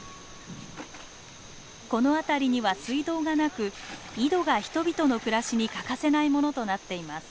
この辺りには水道がなく井戸が人々の暮らしに欠かせないものとなっています。